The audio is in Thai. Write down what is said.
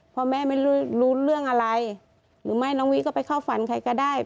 เพราะแม่ไม่รู้รู้เรื่องอะไรหรือไม่น้องวิก็ไปเข้าฝันใครก็ได้